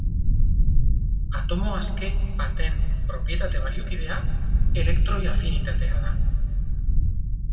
Atomo aske baten propietate baliokidea elektroi-afinitatea da.